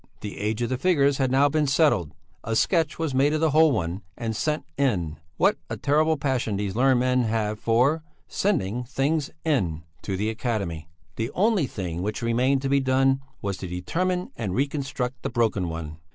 The age of the figures had now been settled; a sketch was made of the whole one and "sent in" (what a terrible passion these learned men have for "sending things in") to the Academy; the only thing which remained to be done was to determine and reconstruct the broken one.